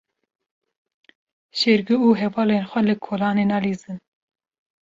Şêrgo û hevalên xwe li kolanê nalîzin.